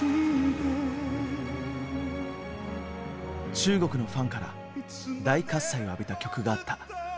中国のファンから大喝采を浴びた曲があった。